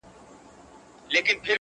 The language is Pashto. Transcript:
دیدن د بادو پیمانه ده.!